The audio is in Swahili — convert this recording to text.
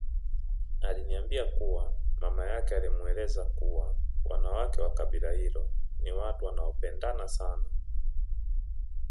Aliniambia kuwa mama yake alimweleza kuwa wanawake wa kabila hilo ni watu wanaopendana sana